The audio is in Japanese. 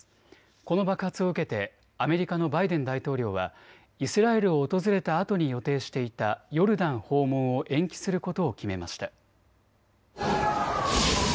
この爆発を受けてアメリカのバイデン大統領はイスラエルを訪れたあとに予定していたヨルダン訪問を延期することを決めました。